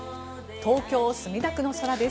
東京・墨田区の空です。